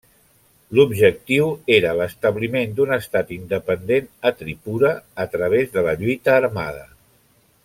L'objectiu era l'establiment d'un estat independent a Tripura a través de la lluita armada.